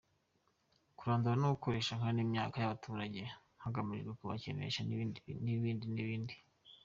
– Kurandura no konesha nkana imyaka y’abaturage hagamijwe kubakenesha; – N’ibindi n’ibindi.